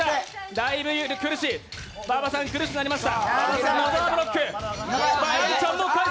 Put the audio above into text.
大分苦しい、馬場さん苦しくなりました。